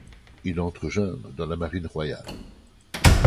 Il entre jeune dans la Marine royale.